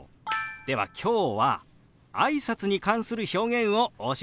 では今日はあいさつに関する表現をお教えしましょう。